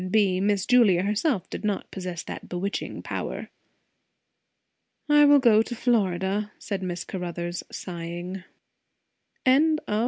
B_. Miss Julia herself did not possess that bewitching power. "I will go to Florida," said Mrs. Caruthers, sighing. CHAPTER IV.